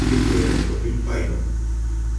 Nii we dɛɛrɛn go ɓil pay no.